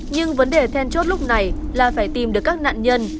nhưng vấn đề then chốt lúc này là phải tìm được các nạn nhân